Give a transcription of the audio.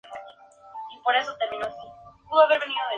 Loyola reunió y organizó a los dispersos.